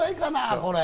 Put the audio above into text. これ。